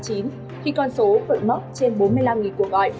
khi con số vượt mốc trên bốn mươi năm cuộc gọi